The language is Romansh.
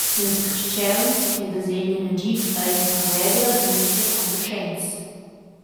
Ils carstgauns che basegnan agid ein per regla buns enconuschents.